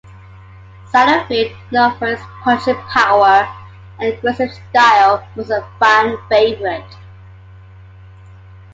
Satterfield, known for his punching power and aggressive style, was a fan favorite.